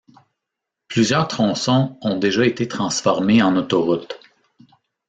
Plusieurs tronçons ont déjà été transformés en autoroute.